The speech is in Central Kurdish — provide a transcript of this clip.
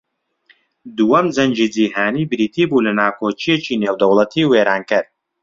دووەم جەنگی جیھانی بریتی بوو لە ناکۆکییەکی نێودەوڵەتی وێرانکەر